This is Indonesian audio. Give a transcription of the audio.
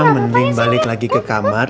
mending balik lagi ke kamar